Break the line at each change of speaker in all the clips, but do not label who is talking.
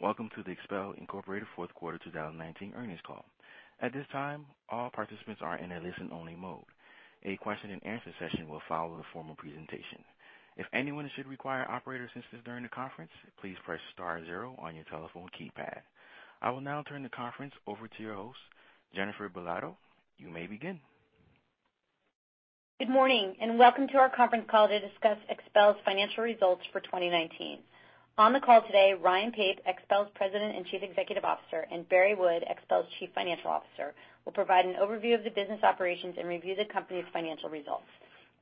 Greetings. Welcome to the XPEL, Inc. Fourth Quarter 2019 Earnings Call. At this time, all participants are in a listen-only mode. A question-and-answer session will follow the formal presentation. If anyone should require operator assistance during the conference, please press star zero on your telephone keypad. I will now turn the conference over to your host, Jennifer Belodeau. You may begin.
Good morning, welcome to our conference call to discuss XPEL's financial results for 2019. On the call today, Ryan Pape, XPEL's President and Chief Executive Officer, and Barry Wood, XPEL's Chief Financial Officer, will provide an overview of the business operations and review the company's financial results.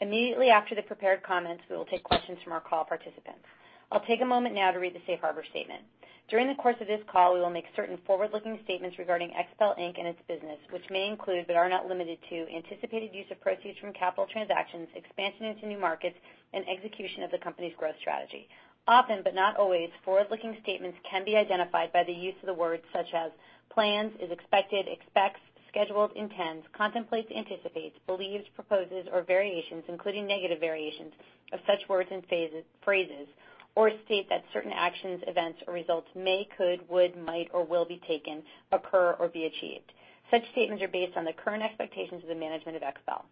Immediately after the prepared comments, we will take questions from our call participants. I'll take a moment now to read the Safe Harbor Statement. During the course of this call, we will make certain forward-looking statements regarding XPEL, Inc. and its business, which may include, but are not limited to, anticipated use of proceeds from capital transactions, expansion into new markets, and execution of the company's growth strategy. Often, but not always, forward-looking statements can be identified by the use of the words such as plans, is expected, expects, schedules, intends, contemplates, anticipates, believes, proposes, or variations, including negative variations of such words and phrases, or state that certain actions, events, or results may, could, would, might, or will be taken, occur, or be achieved. Such statements are based on the current expectations of the management of XPEL.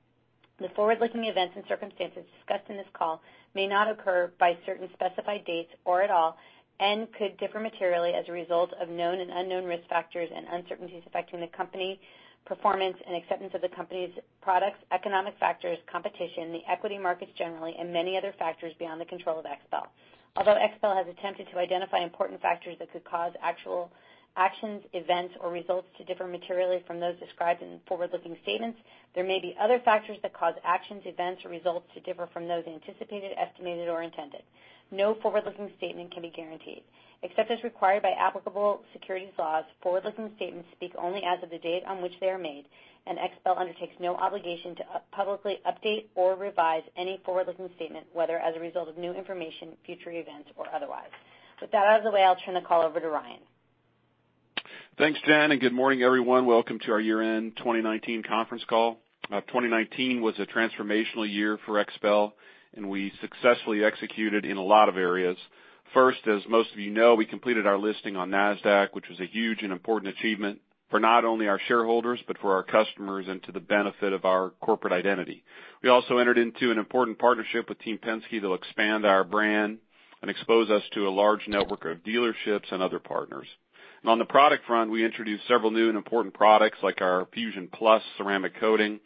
The forward-looking events and circumstances discussed in this call may not occur by certain specified dates or at all, and could differ materially as a result of known and unknown risk factors and uncertainties affecting the company, performance and acceptance of the company's products, economic factors, competition, the equity markets generally, and many other factors beyond the control of XPEL. Although XPEL has attempted to identify important factors that could cause actual actions, events, or results to differ materially from those described in forward-looking statements, there may be other factors that cause actions, events, or results to differ from those anticipated, estimated, or intended. No forward-looking statement can be guaranteed. Except as required by applicable securities laws, forward-looking statements speak only as of the date on which they are made, and XPEL undertakes no obligation to publicly update or revise any forward-looking statement, whether as a result of new information, future events, or otherwise. With that out of the way, I'll turn the call over to Ryan.
Thanks, Jen. Good morning, everyone. Welcome to our year-end 2019 conference call. 2019 was a transformational year for XPEL, and we successfully executed in a lot of areas. First, as most of you know, we completed our listing on Nasdaq, which was a huge and important achievement for not only our shareholders, but for our customers and to the benefit of our corporate identity. We also entered into an important partnership with Team Penske to expand our brand and expose us to a large network of dealerships and other partners. On the product front, we introduced several new and important products like our FUSION PLUS ceramic coating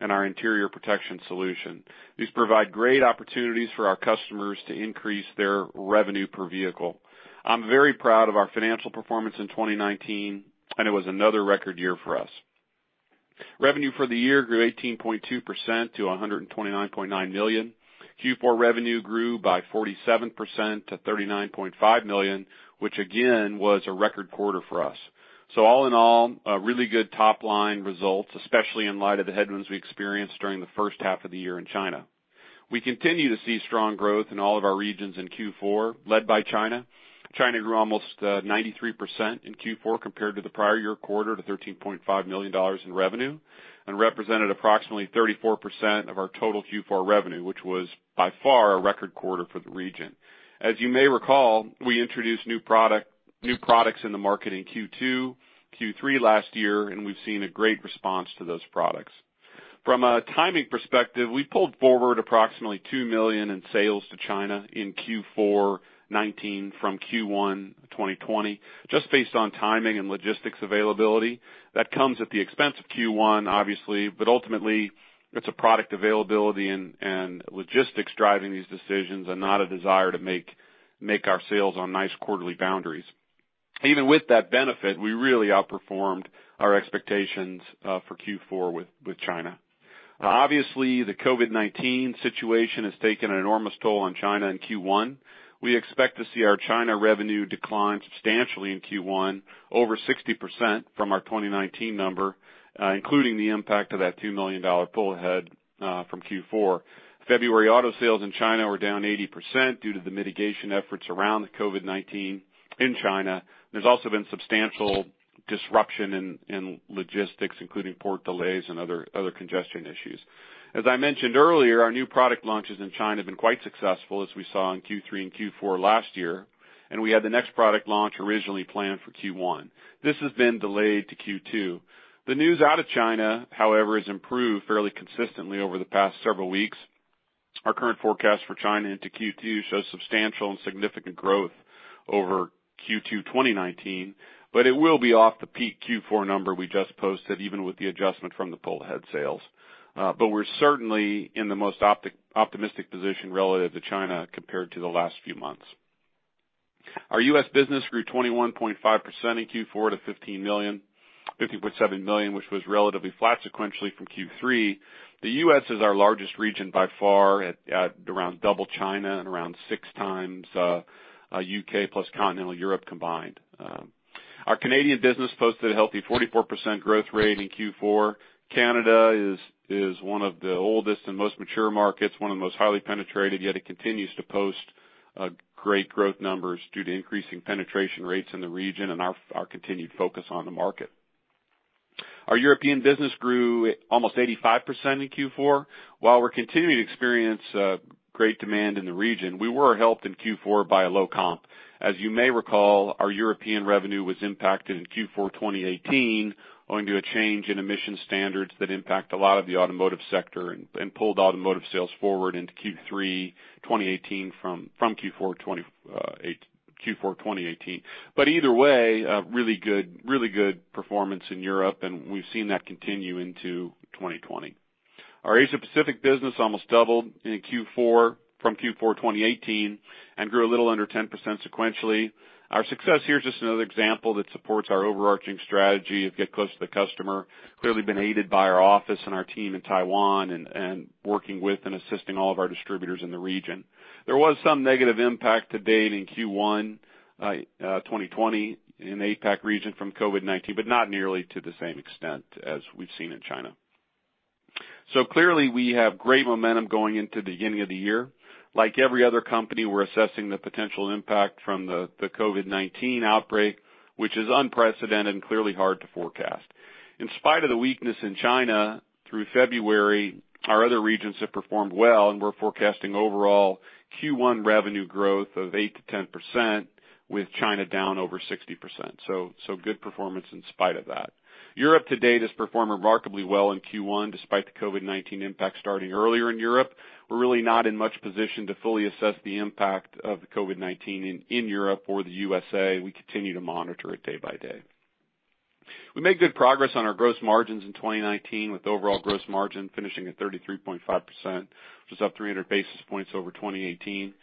and our Interior Protection Solution. These provide great opportunities for our customers to increase their revenue per vehicle. I'm very proud of our financial performance in 2019, and it was another record year for us. Revenue for the year grew 18.2% to $129.9 million. Q4 revenue grew by 47% to $39.5 million, which again, was a record quarter for us. All in all, a really good top-line results, especially in light of the headwinds we experienced during the first half of the year in China. We continue to see strong growth in all of our regions in Q4, led by China. China grew almost 93% in Q4 compared to the prior year quarter to $13.5 million in revenue and represented approximately 34% of our total Q4 revenue, which was by far a record quarter for the region. As you may recall, we introduced new products in the market in Q2, Q3 last year, and we've seen a great response to those products. From a timing perspective, we pulled forward approximately $2 million in sales to China in Q4 2019 from Q1 2020, just based on timing and logistics availability. That comes the expense for Q1 obviously, but ultimately, it's a product availability and logistics driving these decisions and not a desire to make our sales on nice quarterly boundaries. Even with that benefit, we really outperformed our expectations for Q4 with China. Obviously, the COVID-19 situation has taken an enormous toll on China in Q1. We expect to see our China revenue decline substantially in Q1 over 60% from our 2019 number, including the impact of that $2 million pull-ahead from Q4. February auto sales in China were down 80% due to the mitigation efforts around the COVID-19 in China. There's also been substantial disruption in logistics, including port delays and other congestion issues. As I mentioned earlier, our new product launches in China have been quite successful, as we saw in Q3 and Q4 last year. We had the next product launch originally planned for Q1. This has been delayed to Q2. The news out of China, however, has improved fairly consistently over the past several weeks. Our current forecast for China into Q2 shows substantial and significant growth over Q2 2019, but it will be off the peak Q4 number we just posted, even with the adjustment from the pull-ahead sales. We're certainly in the most optimistic position relative to China compared to the last few months. Our U.S. business grew 21.5% in Q4 to $15.7 million, which was relatively flat sequentially from Q3. The U.S. is our largest region by far at around double China and around six times U.K. plus Continental Europe combined. Our Canadian business posted a healthy 44% growth rate in Q4. Canada is one of the oldest and most mature markets, one of the most highly penetrated, yet it continues to post great growth numbers due to increasing penetration rates in the region and our continued focus on the market. Our European business grew almost 85% in Q4. While we're continuing to experience great demand in the region, we were helped in Q4 by a low comp. As you may recall, our European revenue was impacted in Q4 2018 owing to a change in emission standards that impact a lot of the automotive sector and pulled automotive sales forward into Q3 2018 from Q4 2018. Either way, a really good performance in Europe, and we've seen that continue into 2020. Our Asia Pacific business almost doubled in Q4 from Q4 2018 and grew a little under 10% sequentially. Our success here is just another example that supports our overarching strategy of get close to the customer, clearly been aided by our office and our team in Taiwan and working with and assisting all of our distributors in the region. There was some negative impact to date in Q1 2020 in the APAC region from COVID-19, not nearly to the same extent as we've seen in China. Clearly, we have great momentum going into the beginning of the year. Like every other company, we're assessing the potential impact from the COVID-19 outbreak, which is unprecedented and clearly hard to forecast. In spite of the weakness in China through February, our other regions have performed well, we're forecasting overall Q1 revenue growth of 8%-10% with China down over 60%. Good performance in spite of that. Europe to date has performed remarkably well in Q1 despite the COVID-19 impact starting earlier in Europe. We're really not in much position to fully assess the impact of the COVID-19 in Europe or the U.S.A. We continue to monitor it day-by-day. We made good progress on our gross margins in 2019, with overall gross margin finishing at 33.5%, which was up 300 basis points over 2018.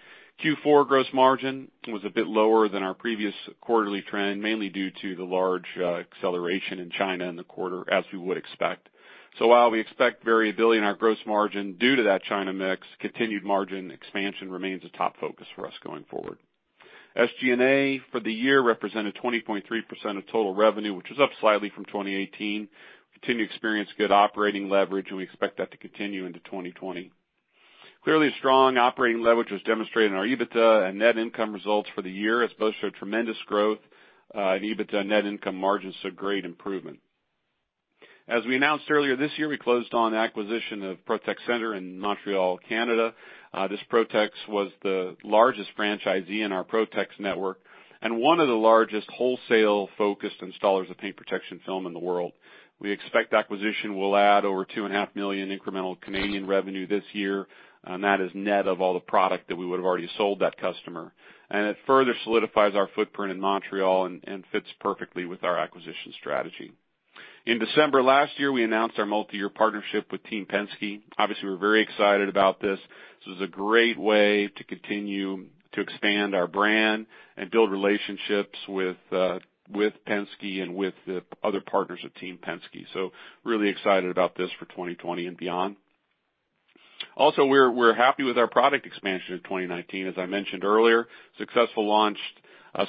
Q4 gross margin was a bit lower than our previous quarterly trend, mainly due to the large acceleration in China in the quarter, as we would expect. While we expect variability in our gross margin due to that China mix, continued margin expansion remains a top focus for us going forward. SG&A for the year represented 20.3% of total revenue, which was up slightly from 2018. Continue to experience good operating leverage, and we expect that to continue into 2020. Clearly a strong operating leverage was demonstrated in our EBITDA and net income results for the year as both show tremendous growth in EBITDA and net income margins, so great improvement. As we announced earlier this year, we closed on acquisition of Protex Centre in Montreal, Canada. This Protex was the largest franchisee in our Protex network and one of the largest wholesale-focused installers of Paint Protection Film in the world. We expect acquisition will add over 2.5 million incremental Canadian revenue this year. That is net of all the product that we would've already sold that customer. It further solidifies our footprint in Montreal and fits perfectly with our acquisition strategy. In December last year, we announced our multiyear partnership with Team Penske. Obviously, we're very excited about this. This is a great way to continue to expand our brand and build relationships with Penske and with the other partners of Team Penske. Really excited about this for 2020 and beyond. Also, we're happy with our product expansion in 2019. As I mentioned earlier, successful launch of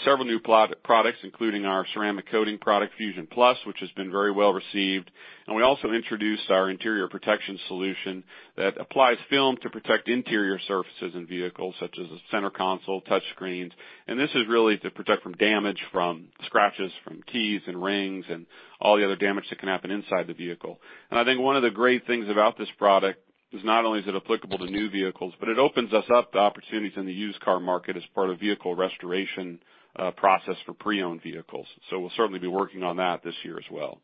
several new pro-products, including our ceramic coating product, FUSION PLUS, which has been very well-received. We also introduced our Interior Protection Solution that applies film to protect interior surfaces in vehicles, such as the center console, touchscreens. This is really to protect from damage from scratches from keys and rings and all the other damage that can happen inside the vehicle. I think one of the great things about this product is not only is it applicable to new vehicles, but it opens us up to opportunities in the used car market as part of vehicle restoration, process for pre-owned vehicles. We'll certainly be working on that this year as well.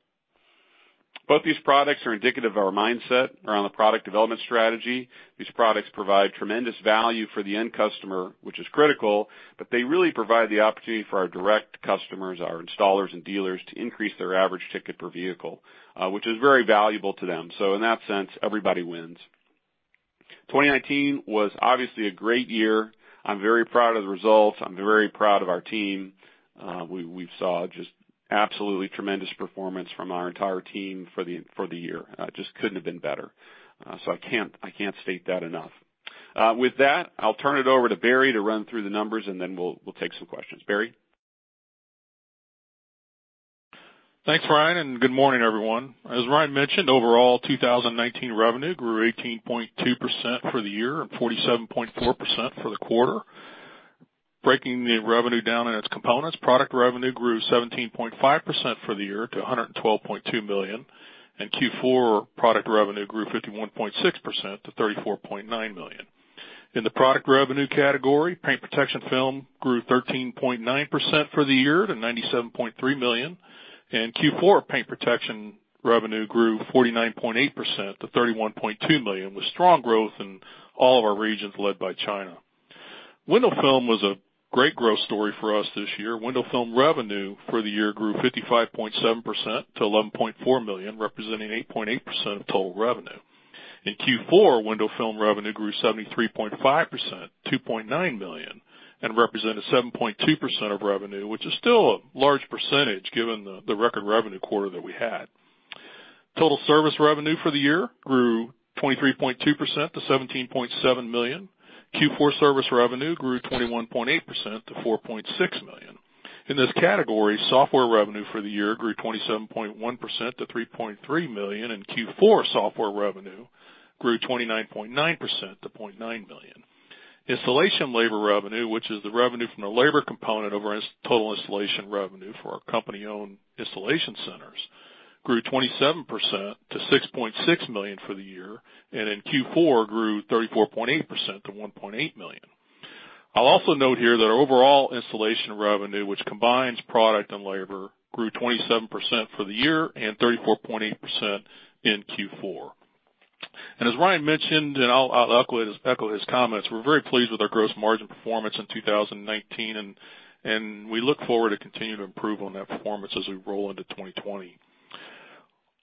Both these products are indicative of our mindset around the product development strategy. These products provide tremendous value for the end customer, which is critical, but they really provide the opportunity for our direct customers, our installers and dealers, to increase their average ticket per vehicle, which is very valuable to them. In that sense, everybody wins. 2019 was obviously a great year. I'm very proud of the results. I'm very proud of our team. We saw just absolutely tremendous performance from our entire team for the year. Just couldn't have been better. I can't state that enough. With that, I'll turn it over to Barry to run through the numbers, and then we'll take some questions. Barry?
Thanks, Ryan, and good morning, everyone. As Ryan mentioned, overall 2019 revenue grew 18.2% for the year and 47.4% for the quarter. Breaking the revenue down in its components, product revenue grew 17.5% for the year to $112.2 million, and Q4 product revenue grew 51.6% to $34.9 million. In the product revenue category, Paint Protection Film grew 13.9% for the year to $97.3 million, and Q4 Paint Protection revenue grew 49.8% to $31.2 million, with strong growth in all of our regions led by China. window film was a great growth story for us this year. window film revenue for the year grew 55.7% to $11.4 million, representing 8.8% of total revenue. In Q4, window film revenue grew 73.5%, $2.9 million, and represented 7.2% of revenue, which is still a large percentage given the record revenue quarter that we had. Total service revenue for the year grew 23.2% to $17.7 million. Q4 service revenue grew 21.8% to $4.6 million. In this category, software revenue for the year grew 27.1% to $3.3 million, and Q4 software revenue grew 29.9% to $0.9 million. Installation labor revenue, which is the revenue from the labor component of our total installation revenue for our company-owned installation centers, grew 27% to $6.6 million for the year, and in Q4 grew 34.8% to $1.8 million. I'll also note here that our overall installation revenue, which combines product and labor, grew 27% for the year and 34.8% in Q4. As Ryan mentioned, I'll echo his comments, we're very pleased with our gross margin performance in 2019, and we look forward to continue to improve on that performance as we roll into 2020.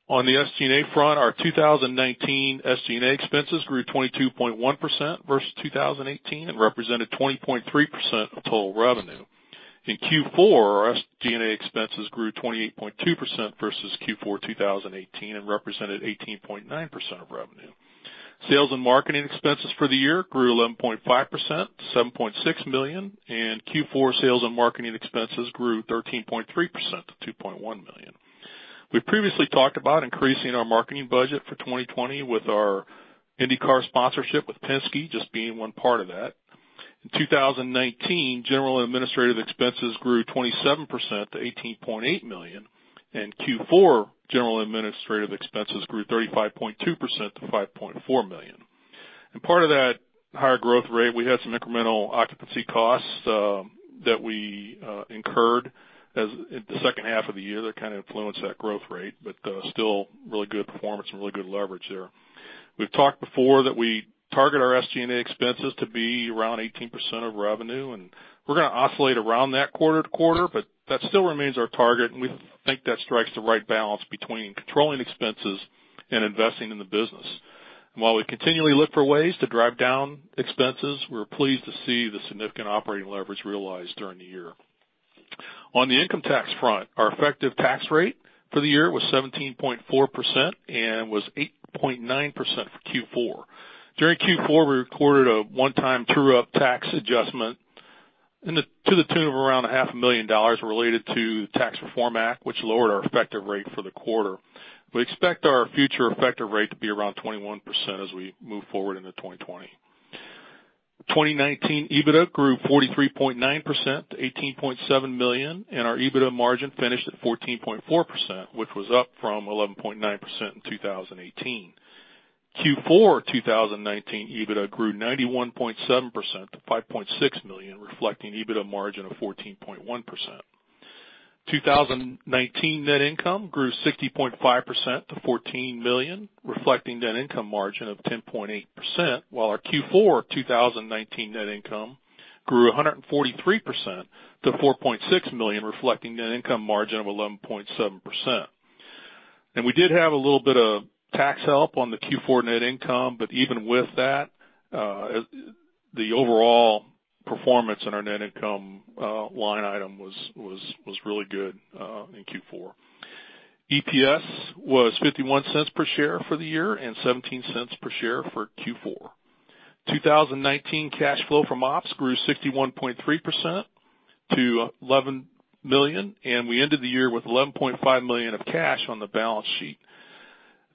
On the SG&A front, our 2019 SG&A expenses grew 22.1% versus 2018 and represented 20.3% of total revenue. In Q4, our SG&A expenses grew 28.2% versus Q4 2018 and represented 18.9% of revenue. Sales and marketing expenses for the year grew 11.5% to $7.6 million, and Q4 sales and marketing expenses grew 13.3% to $2.1 million. We previously talked about increasing our marketing budget for 2020 with our IndyCar sponsorship with Penske just being one part of that. In 2019, general and administrative expenses grew 27% to $18.8 million, and Q4 general and administrative expenses grew 35.2% to $5.4 million. Part of that higher growth rate, we had some incremental occupancy costs that we incurred in the second half of the year that kind of influenced that growth rate, but still really good performance and really good leverage there. We've talked before that we target our SG&A expenses to be around 18% of revenue, and we're gonna oscillate around that quarter-to-quarter, but that still remains our target, and we think that strikes the right balance between controlling expenses and investing in the business. While we continually look for ways to drive down expenses, we're pleased to see the significant operating leverage realized during the year. On the income tax front, our effective tax rate for the year was 17.4% and was 8.9% for Q4. During Q4, we recorded a one-time true-up tax adjustment to the tune of around a half a million dollars related to the Tax Cuts and Jobs Act of 2017, which lowered our effective rate for the quarter. We expect our future effective rate to be around 21% as we move forward into 2020. 2019 EBITDA grew 43.9% to $18.7 million, and our EBITDA margin finished at 14.4%, which was up from 11.9% in 2018. Q4 2019 EBITDA grew 91.7% to $5.6 million, reflecting EBITDA margin of 14.1%. 2019 net income grew 60.5% to $14 million, reflecting net income margin of 10.8%, while our Q4 2019 net income grew 143% to $4.6 million, reflecting net income margin of 11.7%. We did have a little bit of tax help on the Q4 net income, but even with that, the overall performance on our net income line item was really good in Q4. EPS was $0.51 per share for the year and $0.17 per share for Q4. 2019 cash flow from ops grew 61.3% to $11 million. We ended the year with $11.5 million of cash on the balance sheet.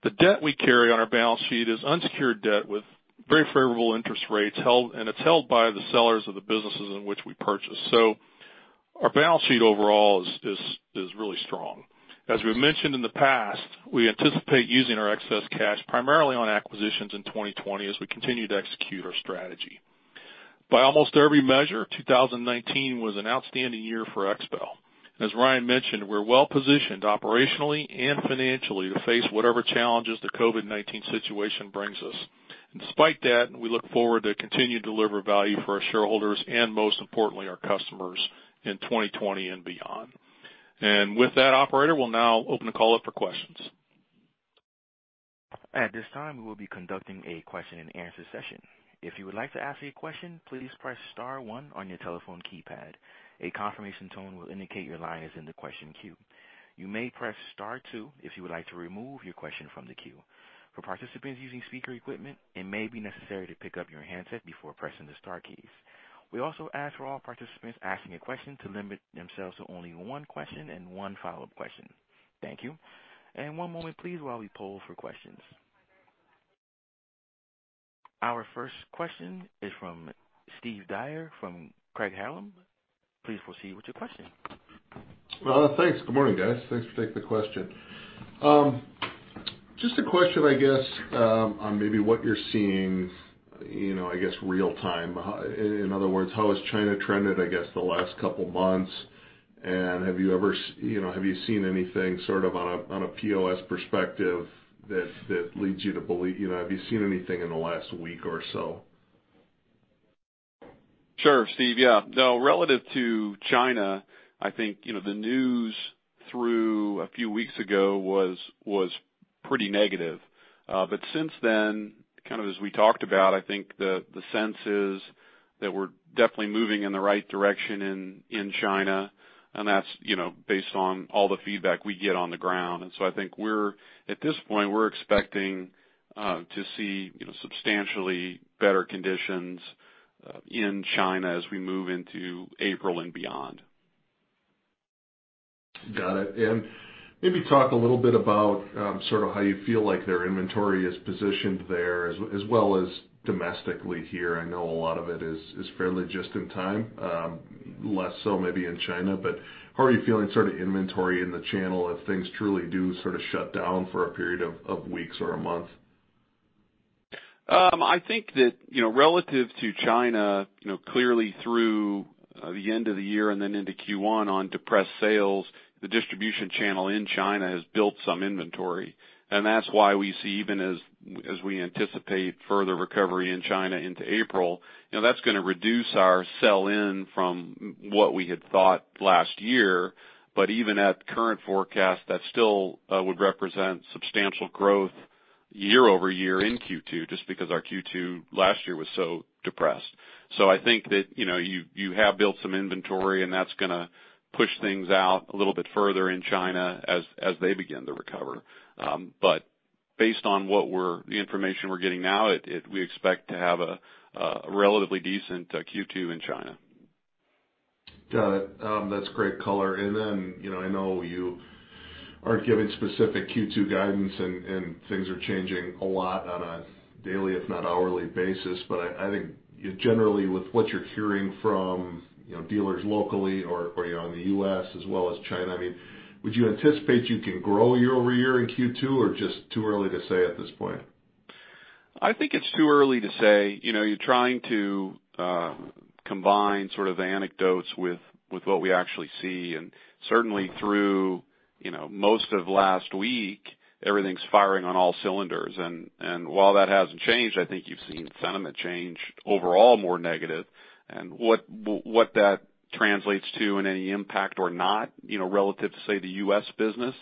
The debt we carry on our balance sheet is unsecured debt with very favorable interest rates held. It's held by the sellers of the businesses in which we purchase. Our balance sheet overall is really strong. As we've mentioned in the past, we anticipate using our excess cash primarily on acquisitions in 2020 as we continue to execute our strategy. By almost every measure, 2019 was an outstanding year for XPEL. As Ryan mentioned, we're well-positioned operationally and financially to face whatever challenges the COVID-19 situation brings us. Despite that, we look forward to continue to deliver value for our shareholders and most importantly, our customers in 2020 and beyond. With that, operator, we'll now open the call up for questions.
At this time, we will be conducting a question-and-answer session. If you would like to ask a question, please press star one on your telephone keypad. A confirmation tone will indicate your line is in the question queue. You may press star two if you would like to remove your question from the queue. For participants using speaker equipment, it may be necessary to pick up your handset before pressing the star keys. We also ask for all participants asking a question to limit themselves to only one question and one follow-up question. Thank you. One moment please while we poll for questions. Our first question is from Steve Dyer from Craig-Hallum. Please proceed with your question.
Well, thanks. Good morning, guys. Thanks for taking the question. Just a question, I guess, on maybe what you're seeing, you know, real-time. In other words, how has China trended, I guess, the last couple months? Have you ever You know, have you seen anything sort of on a POS perspective that leads you to believe? You know, have you seen anything in the last week or so?
Sure, Steve. Yeah. Relative to China, I think, you know, the news through a few weeks ago was pretty negative. Since then, kind of as we talked about, I think the sense is that we're definitely moving in the right direction in China, that's, you know, based on all the feedback we get on the ground. I think at this point, we're expecting to see, you know, substantially better conditions in China as we move into April and beyond.
Got it. Maybe talk a little bit about, sort of how you feel like their inventory is positioned there as well as domestically here. I know a lot of it is fairly just in time, less so maybe in China. How are you feeling sort of inventory in the channel if things truly do sort of shut down for a period of weeks or a month?
I think that, you know, relative to China, you know, clearly through the end of the year into Q1 on depressed sales, the distribution channel in China has built some inventory. That's why we see even as we anticipate further recovery in China into April, you know, that's gonna reduce our sell in from what we had thought last year. Even at current forecast, that still would represent substantial growth year-over-year in Q2, just because our Q2 last year was so depressed. I think that, you know, you have built some inventory, and that's gonna push things out a little bit further in China as they begin to recover. Based on the information we're getting now, we expect to have a relatively decent Q2 in China.
Got it. That's great color. You know, I know you aren't giving specific Q2 guidance and things are changing a lot on a daily, if not hourly basis. I think generally with what you're hearing from, you know, dealers locally or, you know, in the U.S. as well as China, I mean, would you anticipate you can grow year-over-year in Q2 or just too early to say at this point?
I think it's too early to say. You know, you're trying to combine sort of the anecdotes with what we actually see. Certainly through, you know, most of last week, everything's firing on all cylinders. While that hasn't changed, I think you've seen sentiment change overall more negative. What that translates to in any impact or not, you know, relative to, say, the U.S. business,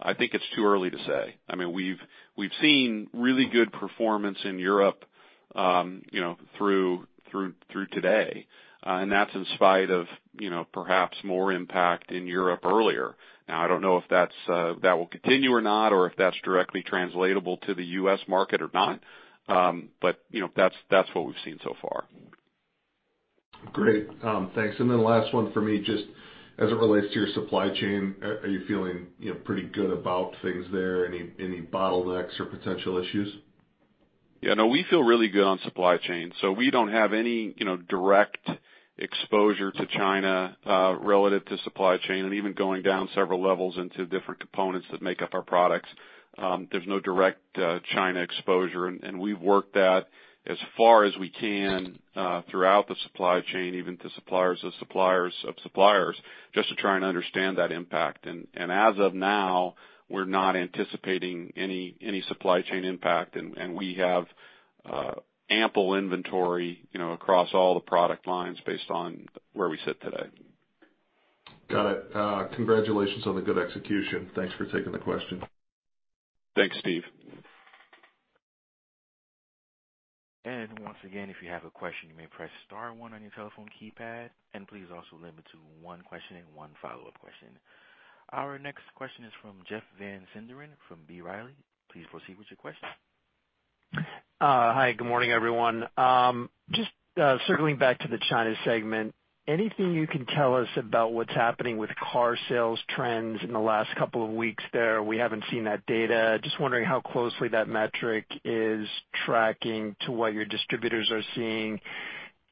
I think it's too early to say. I mean, we've seen really good performance in Europe, you know, through today, and that's in spite of, you know, perhaps more impact in Europe earlier. I don't know if that will continue or not, or if that's directly translatable to the U.S. market or not. You know, that's what we've seen so far.
Great. Thanks. Last one for me, just as it relates to your supply chain, are you feeling, you know, pretty good about things there? Any bottlenecks or potential issues?
Yeah, no, we feel really good on supply chain. We don't have any, you know, direct exposure to China, relative to supply chain and even going down several levels into different components that make up our products. There's no direct China exposure, and we've worked that as far as we can, throughout the supply chain, even to suppliers of suppliers of suppliers, just to try and understand that impact. As of now, we're not anticipating any supply chain impact. We have ample inventory, you know, across all the product lines based on where we sit today.
Got it. Congratulations on the good execution. Thanks for taking the question.
Thanks, Steve.
Once again, if you have a question, you may press star one on your telephone keypad, and please also limit to one question and one follow-up question. Our next question is from Jeff Van Sinderen from B. Riley. Please proceed with your question.
Hi, good morning, everyone. Circling back to the China segment, anything you can tell us about what's happening with car sales trends in the last couple of weeks there? We haven't seen that data. Wondering how closely that metric is tracking to what your distributors are seeing.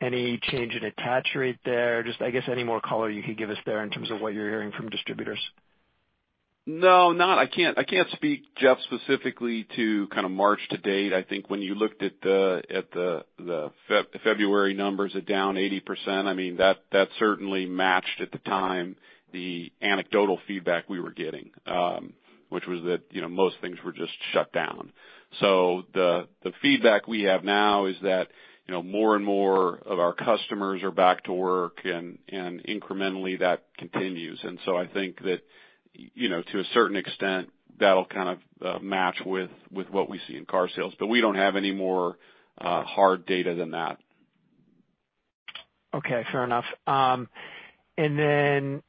Any change in attach rate there? I guess any more color you could give us there in terms of what you're hearing from distributors.
I can't speak, Jeff, specifically to kind of March to date. I think when you looked at the February numbers at down 80%, I mean, that certainly matched at the time the anecdotal feedback we were getting, which was that, you know, most things were just shut down. The feedback we have now is that, you know, more and more of our customers are back to work and incrementally that continues. I think that, you know, to a certain extent, that'll kind of match with what we see in car sales. We don't have any more hard data than that.
Okay, fair enough. And then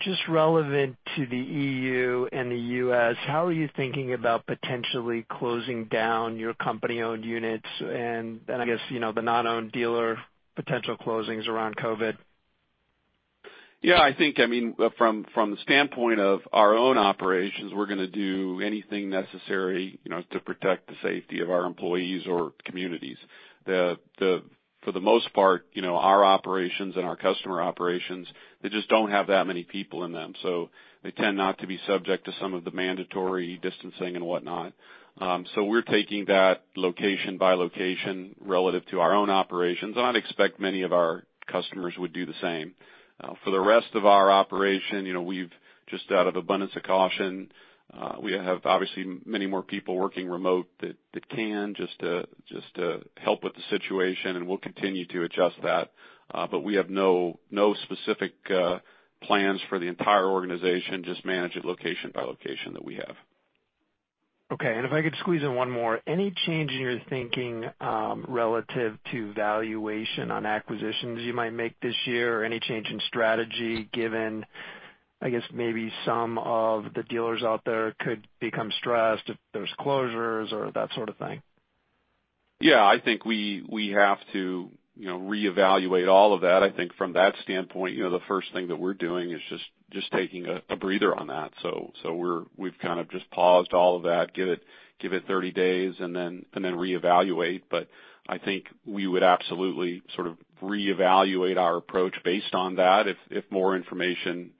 just relevant to the EU and the U.S., how are you thinking about potentially closing down your company-owned units and then I guess, you know, the non-owned dealer potential closings around COVID?
I think, I mean, from the standpoint of our own operations, we're gonna do anything necessary, you know, to protect the safety of our employees or communities. For the most part, you know, our operations and our customer operations, they just don't have that many people in them, so they tend not to be subject to some of the mandatory distancing and whatnot. We're taking that location by location relative to our own operations, and I'd expect many of our customers would do the same. For the rest of our operation, you know, we've just out of abundance of caution, we have obviously many more people working remote that can just to help with the situation, and we'll continue to adjust that. We have no specific plans for the entire organization, just manage it location by location that we have.
Okay. If I could squeeze in one more. Any change in your thinking relative to valuation on acquisitions you might make this year? Any change in strategy given, I guess, maybe some of the dealers out there could become stressed if there's closures or that sort of thing?
Yeah, I think we have to, you know, reevaluate all of that. I think from that standpoint, you know, the first thing that we're doing is just taking a breather on that. We've kind of just paused all of that, give it 30 days and then reevaluate. I think we would absolutely sort of reevaluate our approach based on that if more information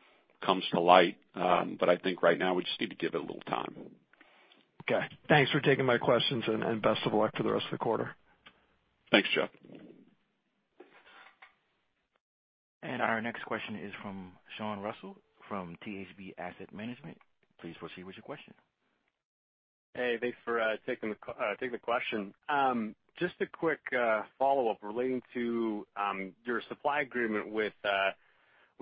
comes to light. I think right now, we just need to give it a little time.
Okay. Thanks for taking my questions, and best of luck for the rest of the quarter.
Thanks, Jeff.
Our next question is from Sean Russell from THB Asset Management. Please proceed with your question.
Hey, thanks for taking the question. Just a quick follow-up relating to your supply agreement with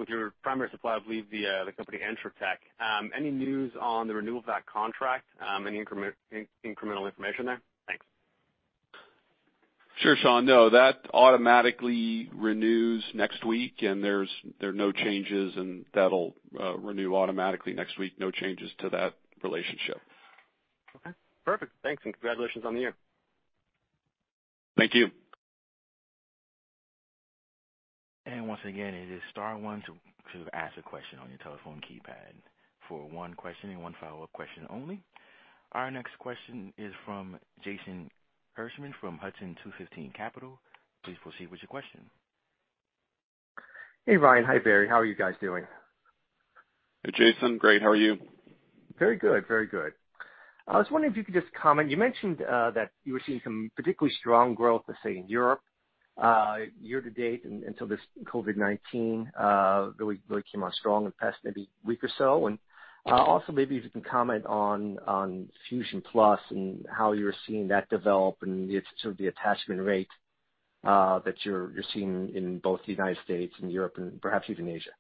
your primary supplier, I believe the company Entrotech. Any news on the renewal of that contract? Any incremental information there? Thanks.
Sure, Sean. No, that automatically renews next week, and there are no changes, and that'll renew automatically next week. No changes to that relationship.
Okay. Perfect. Thanks, and congratulations on the year.
Thank you.
Once again, it is star one to ask a question on your telephone keypad for one question and one follow-up question only. Our next question is from Jason Hirschman from Hudson 215 Capital. Please proceed with your question.
Hey, Ryan. Hi, Barry. How are you guys doing?
Hey, Jason. Great. How are you?
Very good. Very good. I was wondering if you could just comment. You mentioned that you were seeing some particularly strong growth, let's say, in Europe year to date until this COVID-19 really came on strong in the past maybe week or so. Also maybe if you can comment on FUSION PLUS and how you're seeing that develop and the sort of the attachment rate that you're seeing in both the United States and Europe and perhaps even Asia.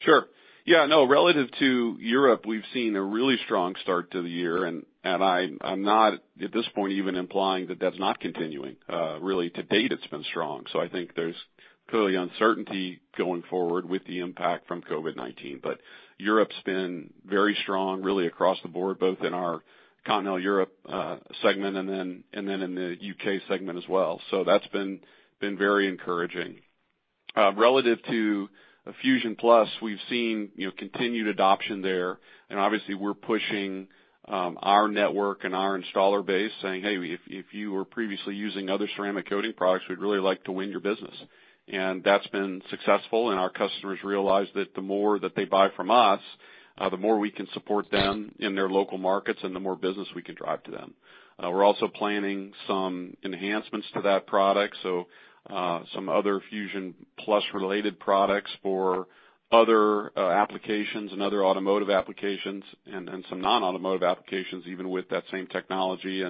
Sure. Relative to Europe, we've seen a really strong start to the year, and I'm not at this point even implying that that's not continuing. Really to date it's been strong. I think there's clearly uncertainty going forward with the impact from COVID-19. Europe's been very strong really across the board, both in our Continental Europe segment and then in the U.K. segment as well. That's been very encouraging. Relative to FUSION PLUS, we've seen, you know, continued adoption there. Obviously we're pushing our network and our installer base saying, "Hey, if you were previously using other ceramic coating products, we'd really like to win your business." That's been successful, and our customers realize that the more that they buy from us, the more we can support them in their local markets and the more business we can drive to them. We're also planning some enhancements to that product, so some other FUSION PLUS related products for other applications and other automotive applications and some non-automotive applications, even with that same technology.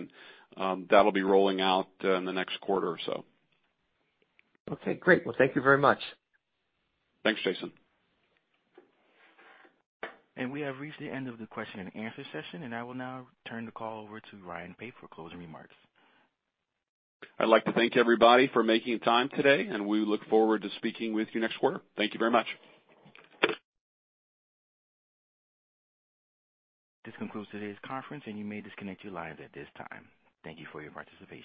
That'll be rolling out in the next quarter or so.
Okay, great. Well, thank you very much.
Thanks, Jason.
We have reached the end of the question and answer session, and I will now turn the call over to Ryan Pape for closing remarks.
I'd like to thank everybody for making time today, and we look forward to speaking with you next quarter. Thank you very much.
This concludes today's conference, and you may disconnect your lines at this time. Thank you for your participation.